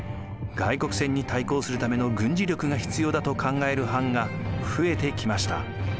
外国船に対抗するための軍事力が必要だと考える藩が増えてきました。